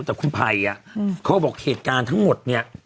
แต่คุณภัยเขาบอกเหตุการณ์ทั้งหมดเนี่ย